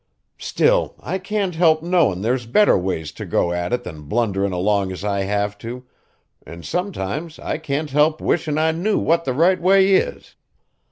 Still, I can't help knowin' there's better ways to go at it than blunderin' along as I have to, an' sometimes I can't help wishin' I knew what the right way is.